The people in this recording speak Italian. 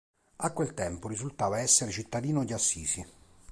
A quel tempo risultava essere cittadino di Assisi.